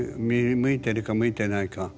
向いてるか向いてないか。